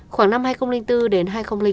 khoảng năm hai nghìn bốn đến hai nghìn năm